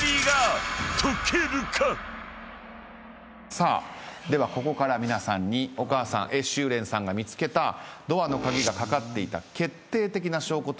さあではここから皆さんにお母さん江秋蓮さんが見つけたドアの鍵が掛かっていた決定的な証拠とは何だったのか？